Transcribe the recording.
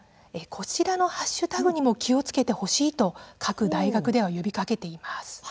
こちらのハッシュタグにも気をつけてほしいと各大学では呼びかけています。＃